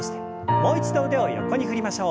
もう一度腕を横に振りましょう。